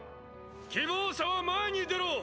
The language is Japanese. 希望者は前に出ろ！